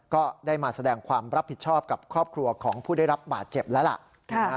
ก็ได้มาแสดงความรับผิดชอบกับครอบครัวของผู้ได้รับบาดเจ็บแล้วล่ะ